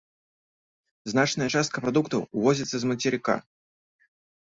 Значная частка прадуктаў увозіцца з мацерыка.